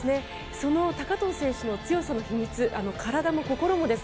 その高藤選手の強さの秘密体も心もです。